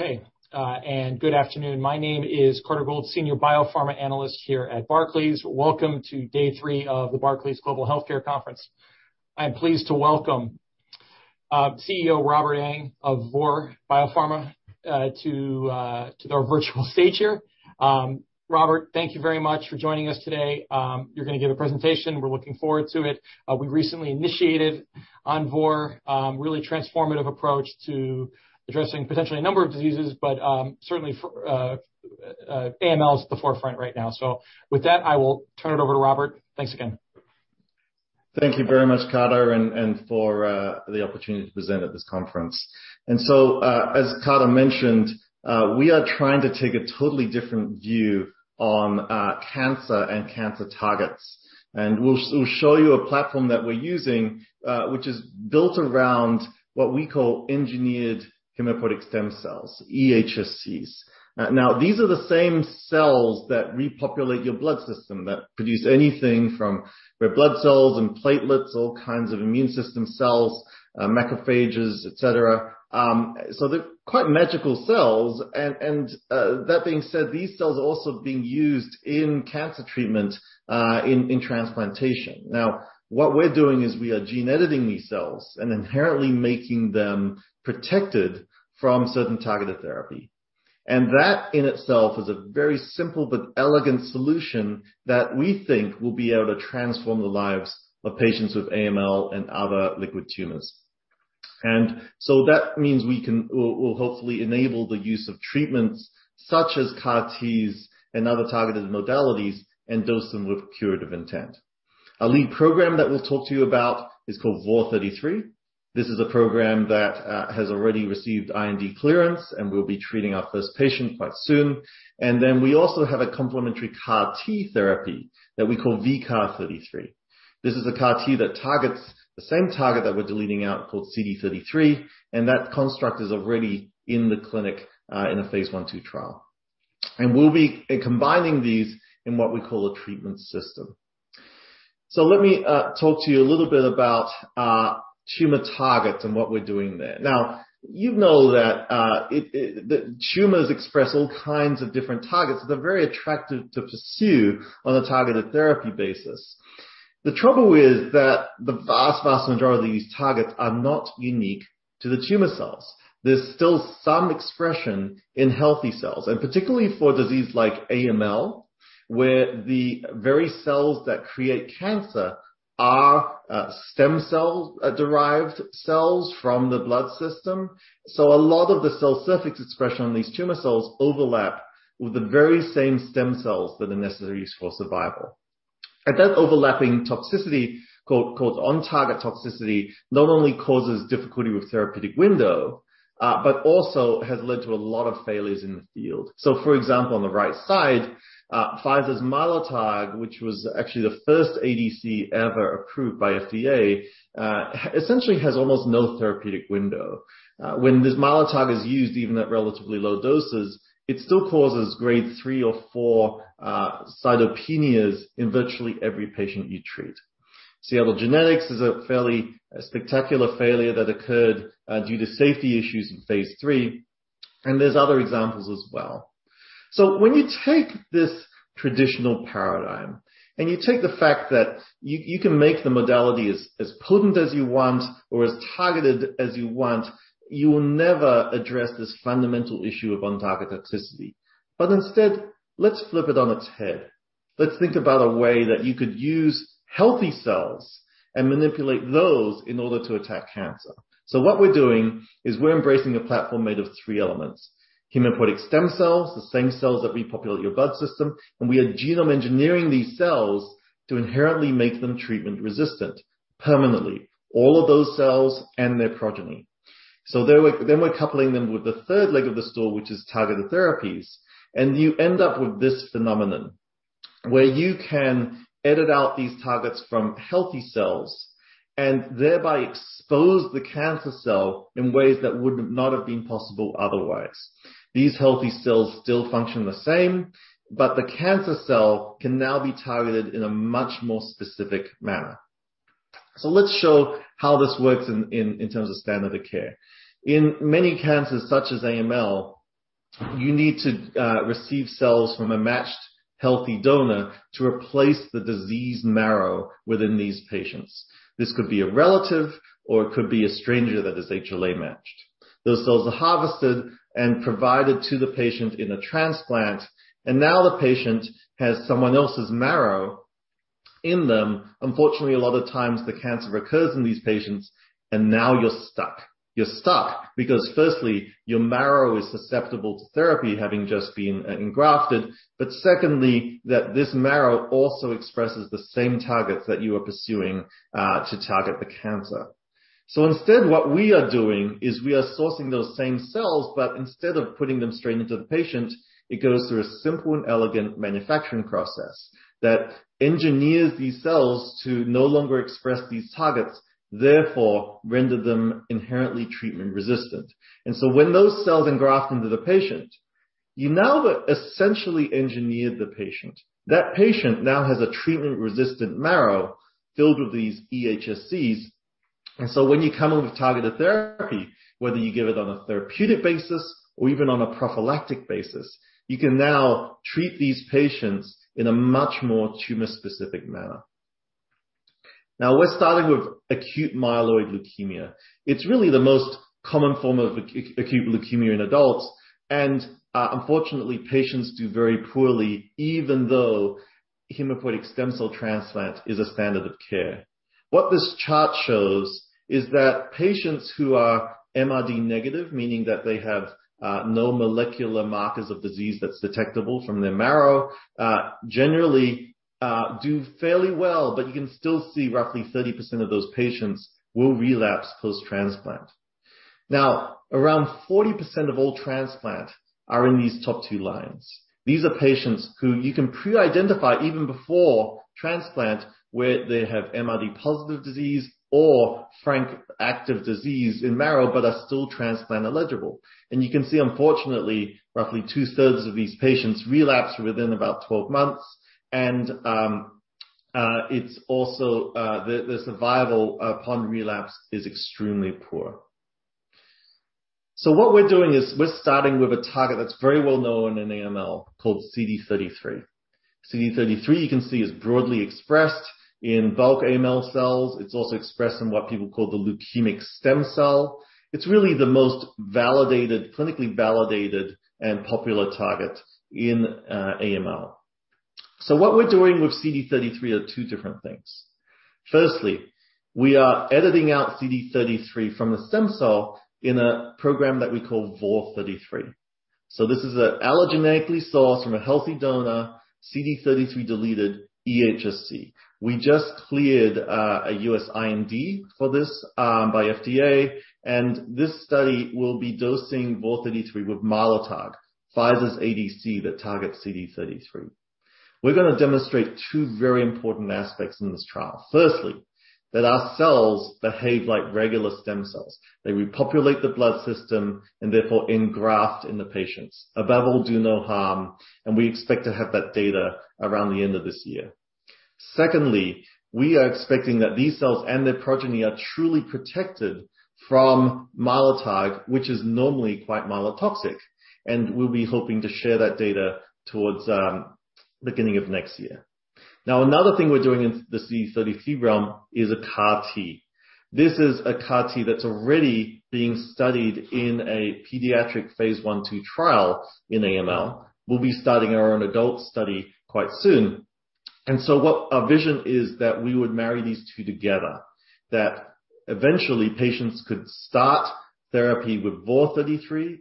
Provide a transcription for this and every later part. Okay. Good afternoon. My name is Carter Gould, Senior Biopharma Analyst here at Barclays. Welcome to day three of the Barclays Global Healthcare Conference. I'm pleased to welcome CEO Robert Ang of Vor Biopharma to our virtual stage here. Robert, thank you very much for joining us today. You're going to give a presentation. We're looking forward to it. We recently initiated on Vor, really transformative approach to addressing potentially a number of diseases, but certainly AML is at the forefront right now. With that, I will turn it over to Robert. Thanks again. Thank you very much, Carter, for the opportunity to present at this conference. As Carter mentioned, we are trying to take a totally different view on cancer and cancer targets. We'll show you a platform that we're using, which is built around what we call engineered hematopoietic stem cells, eHSCs. Now, these are the same cells that repopulate your blood system, that produce anything from red blood cells and platelets, all kinds of immune system cells, macrophages, et cetera. They're quite magical cells and, that being said, these cells are also being used in cancer treatment in transplantation. Now what we're doing is we are gene editing these cells and inherently making them protected from certain targeted therapy. That in itself is a very simple but elegant solution that we think will be able to transform the lives of patients with AML and other liquid tumors. That means we will hopefully enable the use of treatments such as CAR-Ts and other targeted modalities and dose them with curative intent. A lead program that we'll talk to you about is called VOR33. This is a program that has already received IND clearance, and we'll be treating our first patient quite soon. We also have a complementary CAR-T therapy that we call VCAR33. This is a CAR-T that targets the same target that we're deleting out called CD33, and that construct is already in the clinic, in a phase I/II trial. We'll be combining these in what we call a treatment system. Let me talk to you a little bit about tumor targets and what we're doing there. You know that tumors express all kinds of different targets that are very attractive to pursue on a targeted therapy basis. The trouble is that the vast majority of these targets are not unique to the tumor cells. There is still some expression in healthy cells, and particularly for a disease like AML, where the very cells that create cancer are stem cell derived cells from the blood system. A lot of the cell surface expression on these tumor cells overlap with the very same stem cells that are necessary for survival. That overlapping toxicity, called on-target toxicity, not only causes difficulty with therapeutic window, but also has led to a lot of failures in the field. For example, on the right side, Pfizer's Mylotarg, which was actually the first ADC ever approved by FDA, essentially has almost no therapeutic window. When this Mylotarg is used, even at relatively low doses, it still causes grade 3 or 4 cytopenias in virtually every patient you treat. Seattle Genetics is a fairly spectacular failure that occurred due to safety issues in phase III, and there's other examples as well. When you take this traditional paradigm and you take the fact that you can make the modality as potent as you want or as targeted as you want, you will never address this fundamental issue of on-target toxicity. Instead, let's flip it on its head. Let's think about a way that you could use healthy cells and manipulate those in order to attack cancer. What we're doing is we're embracing a platform made of three elements, hematopoietic stem cells, the same cells that repopulate your blood system, and we are genome engineering these cells to inherently make them treatment resistant permanently, all of those cells and their progeny. We're coupling them with the third leg of the stool, which is targeted therapies. You end up with this phenomenon where you can edit out these targets from healthy cells and thereby expose the cancer cell in ways that would not have been possible otherwise. These healthy cells still function the same, but the cancer cell can now be targeted in a much more specific manner. Let's show how this works in terms of standard of care. In many cancers, such as AML, you need to receive cells from a matched healthy donor to replace the diseased marrow within these patients. This could be a relative, or it could be a stranger that is HLA matched. Those cells are harvested and provided to the patient in a transplant. Now the patient has someone else's marrow in them. Unfortunately, a lot of times the cancer recurs in these patients. Now you're stuck. You're stuck because firstly, your marrow is susceptible to therapy having just been engrafted. Secondly, that this marrow also expresses the same targets that you are pursuing to target the cancer. Instead, what we are doing is we are sourcing those same cells, but instead of putting them straight into the patient, it goes through a simple and elegant manufacturing process that engineers these cells to no longer express these targets, therefore render them inherently treatment resistant. When those cells engraft into the patient, you now have essentially engineered the patient. That patient now has a treatment-resistant marrow filled with these eHSCs. So when you come up with targeted therapy, whether you give it on a therapeutic basis or even on a prophylactic basis, you can now treat these patients in a much more tumor-specific manner. We're starting with acute myeloid leukemia. It's really the most common form of acute leukemia in adults, and unfortunately, patients do very poorly even though hematopoietic stem cell transplant is a standard of care. What this chart shows is that patients who are MRD negative, meaning that they have no molecular markers of disease that's detectable from their marrow, generally do fairly well, but you can still see roughly 30% of those patients will relapse post-transplant. Around 40% of all transplant are in these top two lines. These are patients who you can pre-identify even before transplant, where they have MRD positive disease or frank active disease in marrow but are still transplant eligible. You can see, unfortunately, roughly two-thirds of these patients relapse within about 12 months, and the survival upon relapse is extremely poor. What we're doing is we're starting with a target that's very well known in AML, called CD33. CD33, you can see, is broadly expressed in bulk AML cells. It's also expressed in what people call the leukemic stem cell. It's really the most clinically validated and popular target in AML. What we're doing with CD33 are two different things. Firstly, we are editing out CD33 from the stem cell in a program that we call VOR33. This is an allogeneically sourced from a healthy donor, CD33-deleted eHSC. We just cleared a U.S. IND for this by FDA. This study will be dosing VOR33 with Mylotarg, Pfizer's ADC that targets CD33. We're going to demonstrate two very important aspects in this trial. Firstly, that our cells behave like regular stem cells. They repopulate the blood system and therefore engraft in the patients. Above all, do no harm. We expect to have that data around the end of this year. Secondly, we are expecting that these cells and their progeny are truly protected from Mylotarg, which is normally quite myelotoxic. We'll be hoping to share that data towards the beginning of next year. Now, another thing we're doing in the CD33 realm is a CAR T. This is a CAR T that's already being studied in a pediatric phase I/II trial in AML. We'll be starting our own adult study quite soon. What our vision is that we would marry these two together. That eventually patients could start therapy with VOR33,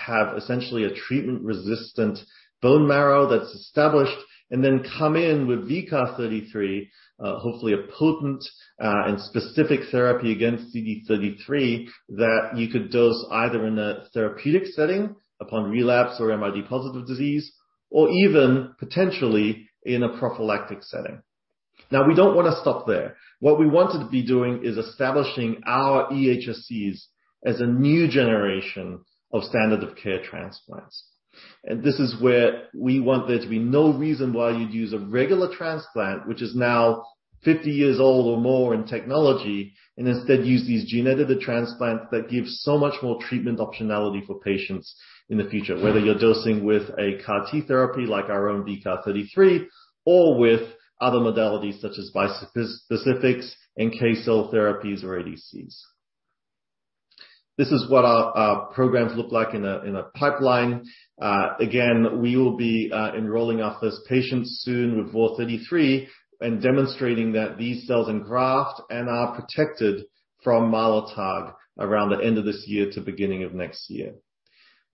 have essentially a treatment-resistant bone marrow that's established, and then come in with VCAR33, hopefully a potent and specific therapy against CD33 that you could dose either in a therapeutic setting upon relapse or MRD positive disease, or even potentially in a prophylactic setting. Now, we don't want to stop there. What we wanted to be doing is establishing our eHSCs as a new generation of standard of care transplants. This is where we want there to be no reason why you'd use a regular transplant, which is now 50 years old or more in technology, and instead use these gene-edited transplants that give so much more treatment optionality for patients in the future, whether you're dosing with a CAR T therapy like our own VCAR33 or with other modalities such as bispecifics and NK cell therapies or ADCs. This is what our programs look like in a pipeline. Again, we will be enrolling our first patients soon with VOR33 and demonstrating that these cells engraft and are protected from Mylotarg around the end of this year to the beginning of next year.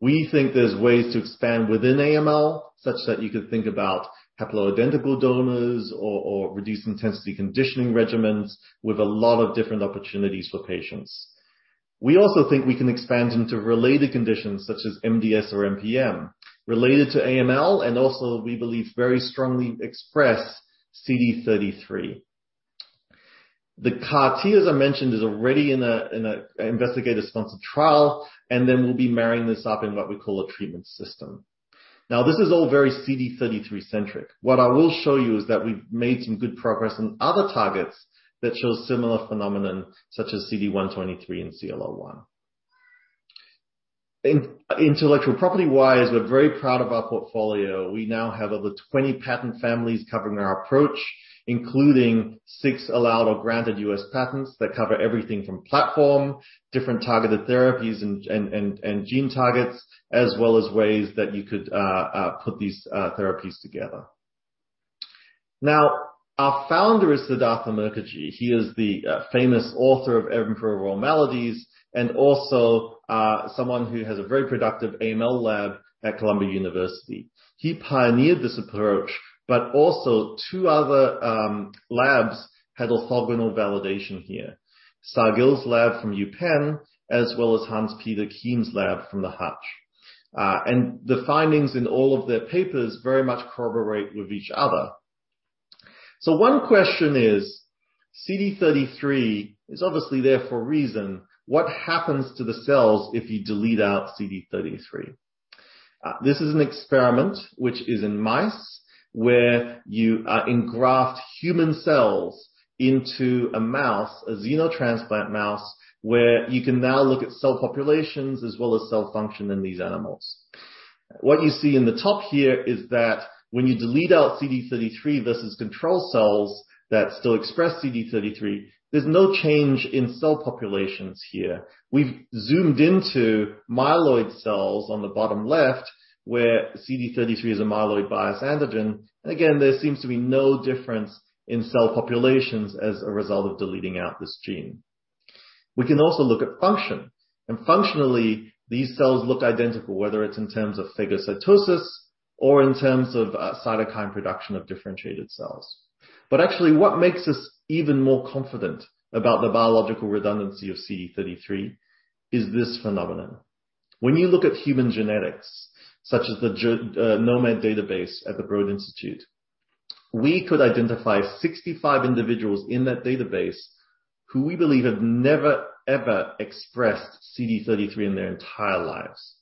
We think there's ways to expand within AML such that you could think about haploidentical donors or reduced intensity conditioning regimens with a lot of different opportunities for patients. We also think we can expand them to related conditions such as MDS or MPN related to AML. We believe very strongly express CD33. The CAR T, as I mentioned, is already in an investigator-sponsored trial. We'll be marrying this up in what we call a treatment system. This is all very CD33 centric. What I will show you is that we've made some good progress on other targets that show similar phenomenon such as CD123 and CLL-1. Intellectual property-wise, we're very proud of our portfolio. We now have over 20 patent families covering our approach, including six allowed or granted U.S. patents that cover everything from platform, different targeted therapies and gene targets, as well as ways that you could put these therapies together. Our founder is Siddhartha Mukherjee. He is the famous author of "The Emperor of All Maladies" and also someone who has a very productive AML lab at Columbia University. He pioneered this approach, but also two other labs had orthogonal validation here. Saar Gill's lab from University of Pennsylvania, as well as Hans-Peter Kiem's lab from the Hutch. The findings in all of their papers very much corroborate with each other. One question is, CD33 is obviously there for a reason. What happens to the cells if you delete out CD33? This is an experiment which is in mice, where you engraft human cells into a mouse, a xenotransplant mouse, where you can now look at cell populations as well as cell function in these animals. What you see in the top here is that when you delete out CD33, this is control cells that still express CD33, there's no change in cell populations here. We've zoomed into myeloid cells on the bottom left, where CD33 is a myeloid bias antigen. Again, there seems to be no difference in cell populations as a result of deleting out this gene. We can also look at function, functionally, these cells look identical, whether it's in terms of phagocytosis or in terms of cytokine production of differentiated cells. Actually, what makes us even more confident about the biological redundancy of CD33 is this phenomenon. When you look at human genetics, such as the gnomAD database at the Broad Institute, we could identify 65 individuals in that database who we believe have never, ever expressed CD33 in their entire lives.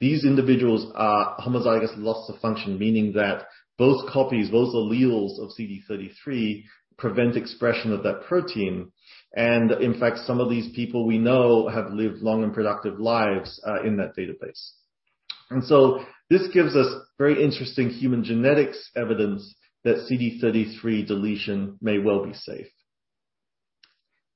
These individuals are homozygous loss of function, meaning that both copies, both alleles of CD33 prevent expression of that protein. In fact, some of these people we know have lived long and productive lives in that database. This gives us very interesting human genetics evidence that CD33 deletion may well be safe.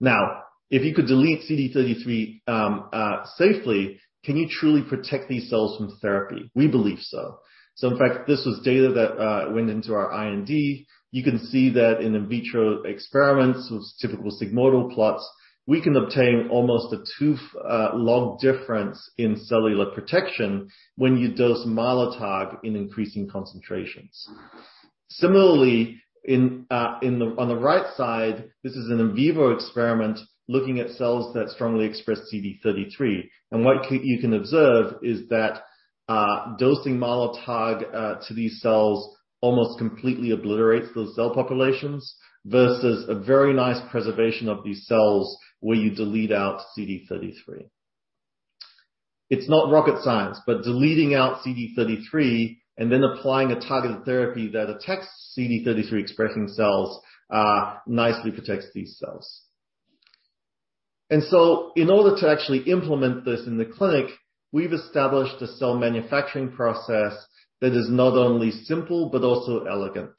Now, if you could delete CD33 safely, can you truly protect these cells from therapy? We believe so. In fact, this was data that went into our IND. You can see that in in vitro experiments with typical sigmoidal plots, we can obtain almost a two log difference in cellular protection when you dose Mylotarg in increasing concentrations. Similarly, on the right side, this is an in vivo experiment looking at cells that strongly express CD33. What you can observe is that dosing Mylotarg to these cells almost completely obliterates those cell populations versus a very nice preservation of these cells where you delete out CD33. It's not rocket science, deleting out CD33 and then applying a targeted therapy that attacks CD33-expressing cells nicely protects these cells. In order to actually implement this in the clinic, we've established a cell manufacturing process that is not only simple but also elegant.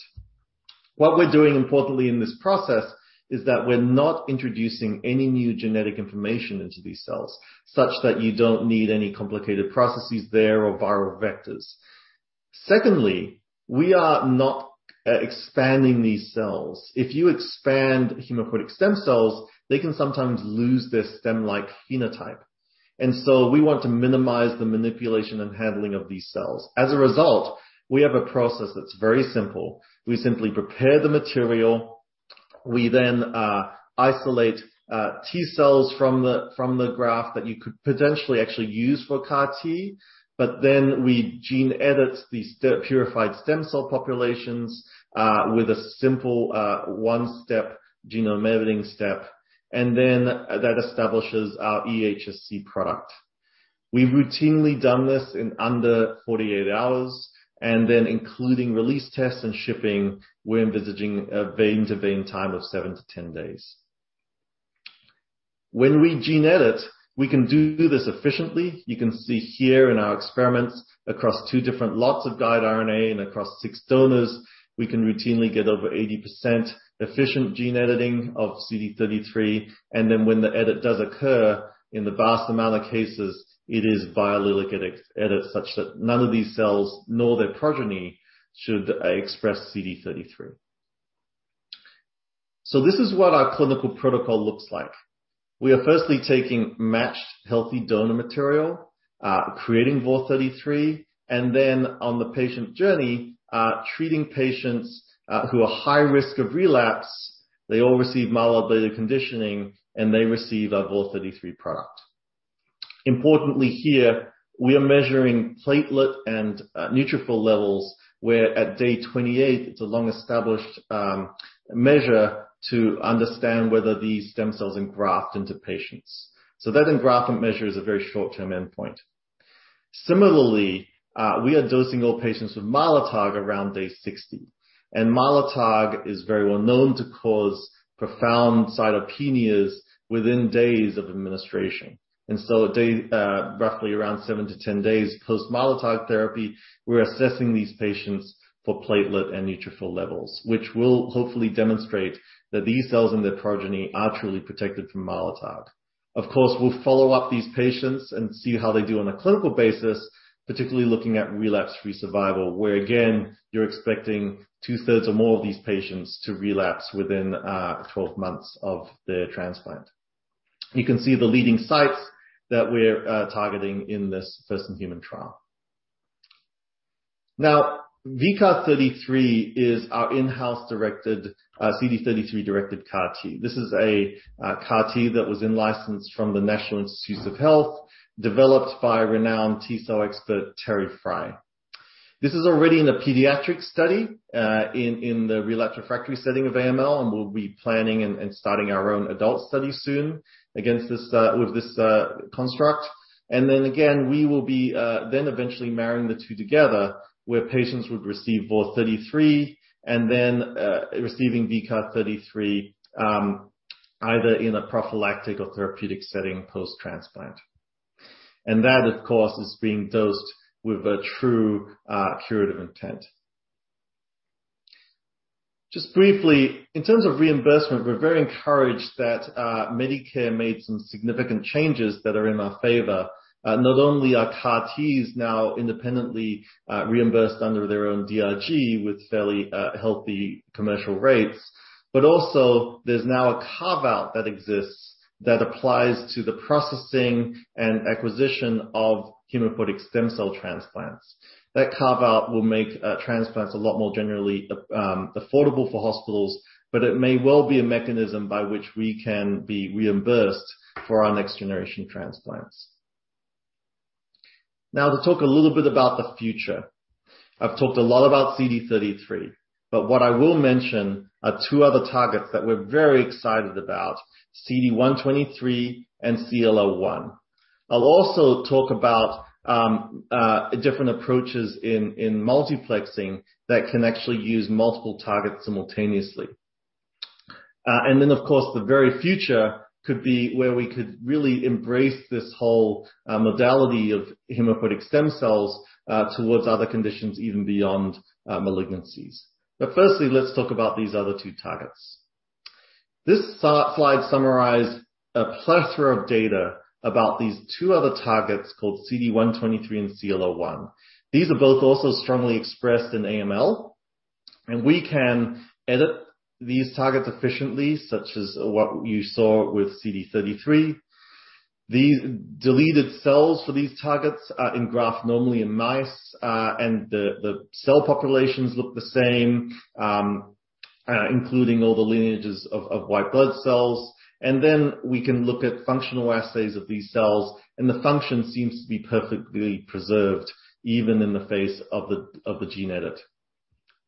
What we're doing importantly in this process is that we're not introducing any new genetic information into these cells, such that you don't need any complicated processes there or viral vectors. Secondly, we are not expanding these cells. If you expand hematopoietic stem cells, they can sometimes lose their stem-like phenotype. We want to minimize the manipulation and handling of these cells. As a result, we have a process that's very simple. We simply prepare the material. We then isolate T cells from the graft that you could potentially actually use for CAR T, but then we gene edit these purified stem cell populations with a simple one-step genome editing step, and then that establishes our eHSC product. We've routinely done this in under 48 hours, and then including release tests and shipping, we're envisaging a vein-to-vein time of 7-10 days. When we gene edit, we can do this efficiently. You can see here in our experiments across two different lots of guide RNA and across six donors, we can routinely get over 80% efficient gene editing of CD33, and then when the edit does occur, in the vast amount of cases, it is biallelic edit such that none of these cells nor their progeny should express CD33. This is what our clinical protocol looks like. We are firstly taking matched healthy donor material, creating VOR33, and then on the patient journey, treating patients who are high risk of relapse. They all receive myeloablative conditioning, and they receive our VOR33 product. Importantly here, we are measuring platelet and neutrophil levels, where at day 28, it's a long-established measure to understand whether these stem cells engraft into patients. That engraftment measure is a very short-term endpoint. Similarly, we are dosing all patients with Mylotarg around day 60, and Mylotarg is very well known to cause profound cytopenias within days of administration. At day roughly around 7-10 days post Mylotarg therapy, we're assessing these patients for platelet and neutrophil levels, which will hopefully demonstrate that these cells and their progeny are truly protected from Mylotarg. Of course, we'll follow up these patients and see how they do on a clinical basis, particularly looking at relapse-free survival, where again, you're expecting two-thirds or more of these patients to relapse within 12 months of their transplant. You can see the leading sites that we're targeting in this first human trial. VCAR33 is our in-house CD33-directed CAR T. This is a CAR T that was in license from the National Institutes of Health, developed by renowned T-cell expert Terry Fry. This is already in a pediatric study in the relapsed refractory setting of AML, we'll be planning and starting our own adult study soon with this construct. We will be then eventually marrying the two together, where patients would receive VOR33 and then receiving VCAR33, either in a prophylactic or therapeutic setting post-transplant. That, of course, is being dosed with a true curative intent. Just briefly, in terms of reimbursement, we're very encouraged that Medicare made some significant changes that are in our favor. Not only are CAR-Ts now independently reimbursed under their own DRG with fairly healthy commercial rates, but also there's now a carve-out that exists that applies to the processing and acquisition of hematopoietic stem cell transplants. That carve out will make transplants a lot more generally affordable for hospitals, but it may well be a mechanism by which we can be reimbursed for our next generation transplants. To talk a little bit about the future. I've talked a lot about CD33, but what I will mention are two other targets that we're very excited about, CD123 and CLL-1. I'll also talk about different approaches in multiplexing that can actually use multiple targets simultaneously. Then, of course, the very future could be where we could really embrace this whole modality of hematopoietic stem cells towards other conditions, even beyond malignancies. Firstly, let's talk about these other two targets. This slide summarized a plethora of data about these two other targets called CD123 and CLL-1. These are both also strongly expressed in AML, and we can edit these targets efficiently, such as what you saw with CD33. Deleted cells for these targets are engraft normally in mice, and the cell populations look the same, including all the lineages of white blood cells. Then we can look at functional assays of these cells, and the function seems to be perfectly preserved even in the face of the gene edit.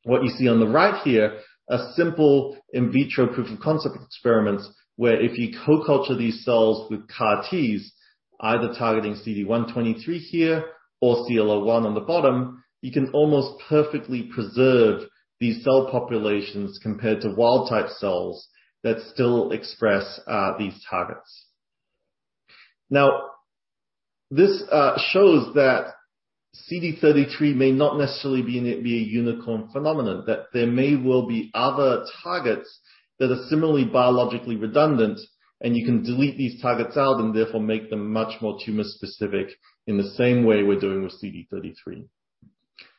What you see on the right here are simple in vitro proof of concept experiments where if you co-culture these cells with CAR-Ts, either targeting CD123 here or CLL-1 on the bottom, you can almost perfectly preserve these cell populations compared to wild type cells that still express these targets. This shows that CD33 may not necessarily be a unicorn phenomenon, that there may well be other targets that are similarly biologically redundant, and you can delete these targets out and therefore make them much more tumor-specific in the same way we're doing with CD33.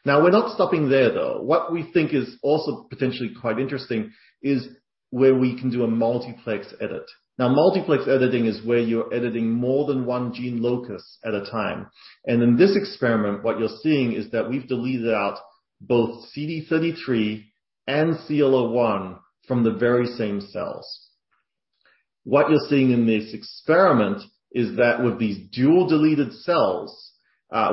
We're not stopping there, though. What we think is also potentially quite interesting is where we can do a multiplex edit. Multiplex editing is where you're editing more than one gene locus at a time. In this experiment, what you're seeing is that we've deleted out both CD33 and CLL-1 from the very same cells. What you're seeing in this experiment is that with these dual deleted cells,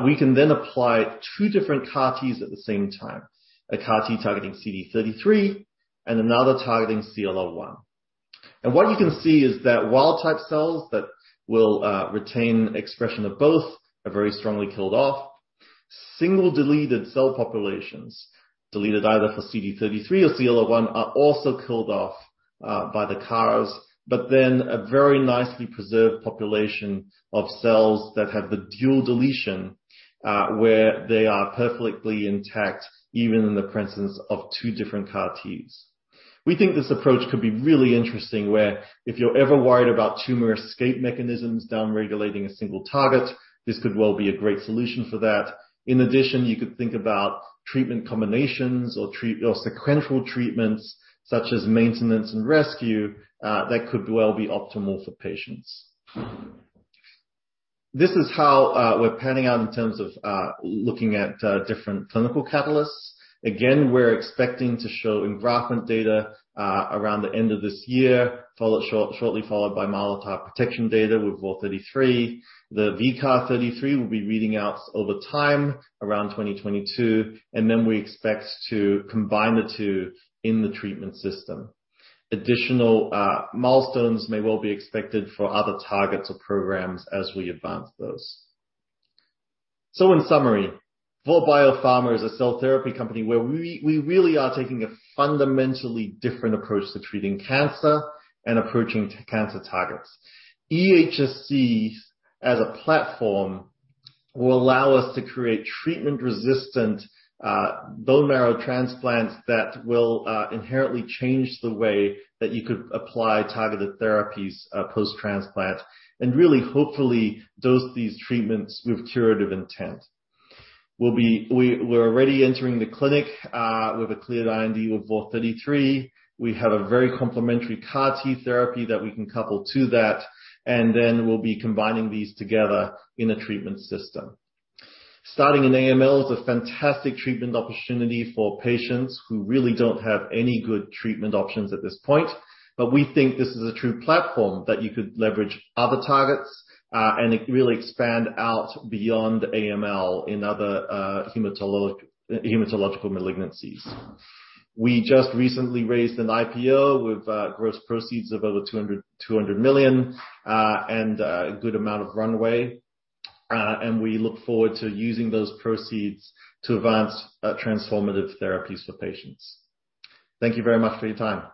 we can then apply two different CAR-Ts at the same time, a CAR-T targeting CD33 and another targeting CLL-1. What you can see is that wild type cells that will retain expression of both are very strongly killed off. Single deleted cell populations, deleted either for CD33 or CLL-1, are also killed off by the CAR-Ts, but then a very nicely preserved population of cells that have the dual deletion where they are perfectly intact even in the presence of two different CAR-Ts. We think this approach could be really interesting where if you're ever worried about tumor escape mechanisms downregulating a single target, this could well be a great solution for that. You could think about treatment combinations or sequential treatments such as maintenance and rescue that could well be optimal for patients. This is how we're panning out in terms of looking at different clinical catalysts. We're expecting to show engraftment data around the end of this year, shortly followed by Mylotarg protection data with VOR33. The VCAR33 will be reading out over time around 2022, we expect to combine the two in the treatment system. Additional milestones may well be expected for other targets or programs as we advance those. In summary, Vor Biopharma is a cell therapy company where we really are taking a fundamentally different approach to treating cancer and approaching cancer targets. eHSCs as a platform will allow us to create treatment-resistant bone marrow transplants that will inherently change the way that you could apply targeted therapies post-transplant, and really, hopefully, dose these treatments with curative intent. We're already entering the clinic with a cleared IND with VOR33. We have a very complementary CAR T therapy that we can couple to that, and then we'll be combining these together in a treatment system. Starting in AML is a fantastic treatment opportunity for patients who really don't have any good treatment options at this point. We think this is a true platform that you could leverage other targets and it could really expand out beyond AML in other hematological malignancies. We just recently raised an IPO with gross proceeds of over $200 million and a good amount of runway. We look forward to using those proceeds to advance transformative therapies for patients. Thank you very much for your time.